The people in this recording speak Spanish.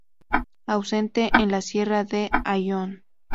Ausente en la sierra de Ayllón.